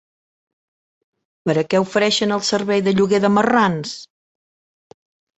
Per a què ofereixen el servei de lloguer de marrans?